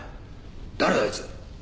誰だあいつ！